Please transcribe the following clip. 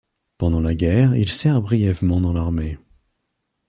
Pendant la guerre il sert brièvement dans l'armée.